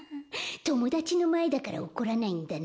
ともだちのまえだから怒らないんだな。